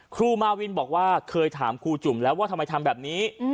ครูมาวินบอกว่าเคยถามครูจุ่มแล้วว่าทำไมทำแบบนี้